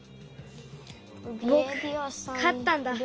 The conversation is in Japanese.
ぼくかったんだ。